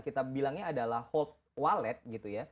kita bilangnya adalah hold wallet gitu ya